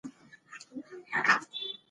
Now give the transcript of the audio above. د خاورو او دوړو څخه خپل تنفسي سیستم وساتئ.